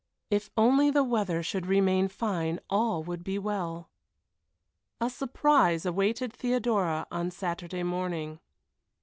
If only the weather should remain fine all would be well. A surprise awaited Theodora on Saturday morning.